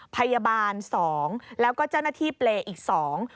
พยาบาลสองแล้วก็เจ้าหน้าที่เปรย์อีกสอง